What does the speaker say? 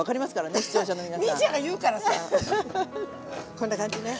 こんな感じね。